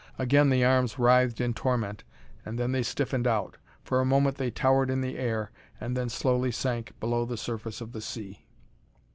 Again the arms writhed in torment, and then they stiffened out. For a moment they towered in the air and then slowly sank below the surface of the sea.